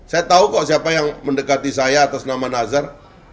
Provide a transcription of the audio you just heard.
saya tahu kok siapa yang mendekati saya atas nama nazar